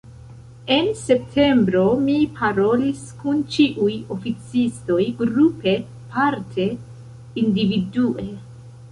En septembro mi parolis kun ĉiuj oficistoj grupe, parte individue.